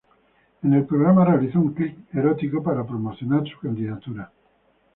En el programa realizó un clip erótico para promocionar su candidatura.